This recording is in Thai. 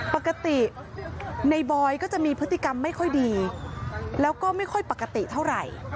ปกติในบอยก็จะมีพฤติกรรมไม่ค่อยดีแล้วก็ไม่ค่อยปกติเท่าไหร่